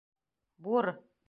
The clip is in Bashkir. Бур!